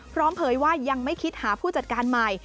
เผยว่ายังไม่คิดหาผู้จัดการใหม่